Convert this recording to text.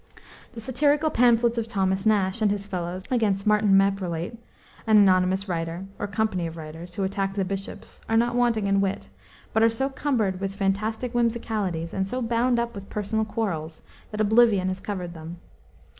The satirical pamphlets of Thomas Nash and his fellows, against "Martin Marprelate," an anonymous writer, or company of writers, who attacked the bishops, are not wanting in wit, but are so cumbered with fantastic whimsicalities, and so bound up with personal quarrels, that oblivion has covered them.